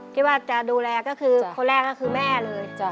ที่จะดูแลก็คือคนแรกก็คือแม่เลย